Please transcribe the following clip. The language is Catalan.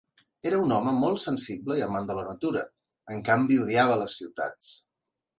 Era un home molt sensible i amant de la natura, en canvi odiava les ciutats.